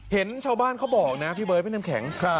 เห็นชาวบ้านเขาบอกนะพี่เบิร์ดพี่น้ำแข็ง